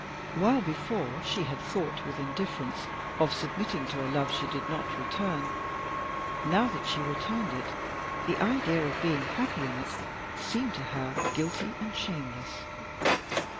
While before she had thought with indifference of submitting to a love she did not return, now that she returned it the idea of being happy in it seemed to her guilty and shameless.